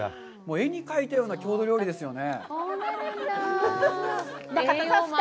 絵に描いたような郷土料理ですよね。